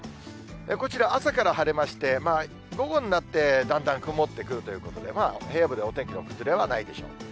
こちら、朝から晴れまして、午後になってだんだん曇ってくるということで、平野部でお天気の崩れはないでしょう。